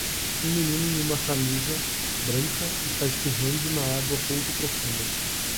Um menino em uma camisa branca está espirrando na água pouco profunda.